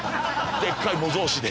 でっかい模造紙で